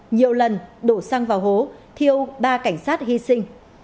nhiều lần đổ xăng vào hố thiêu ba cảnh sát hy sinh